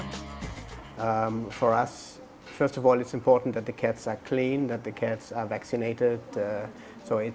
untuk kami pertama sekali pentingnya kucingnya bersih kucingnya vaksinasi